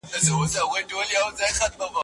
ښځه هم تر رشد وروسته پخپله شتمني کي تصرف کولای سي.